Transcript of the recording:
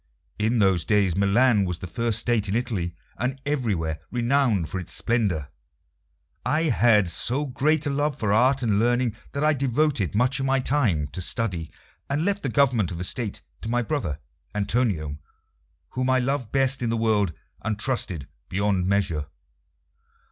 In those days Milan was the first State in Italy, and everywhere renowned for its splendour. I had so great a love for art and learning that I devoted much of my time to study, and left the government of the State to my brother Antonio, whom I loved best in the world and trusted beyond measure.